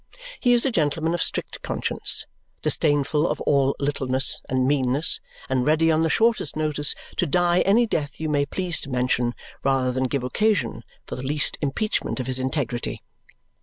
He is a gentleman of strict conscience, disdainful of all littleness and meanness and ready on the shortest notice to die any death you may please to mention rather than give occasion for the least impeachment of his integrity.